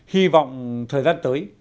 hy vọng thời gian tới